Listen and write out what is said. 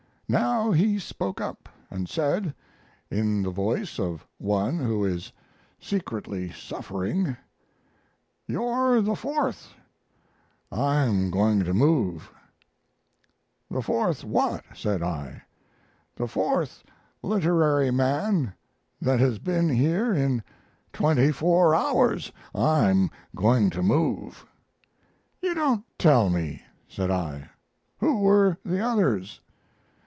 Now he spoke up and said, in the voice of one who is secretly suffering, "You're the fourth I'm going to move." "The fourth what?" said I. "The fourth littery man that has been here in twenty four hours I'm going to move." "You don't tell me!" said I; "who were the others?"